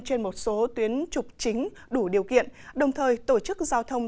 trên một số tuyến trục chính đủ điều kiện đồng thời tổ chức giao thông